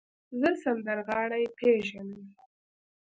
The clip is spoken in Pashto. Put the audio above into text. زه سندرغاړی پیژنم.